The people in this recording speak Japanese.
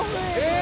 え！？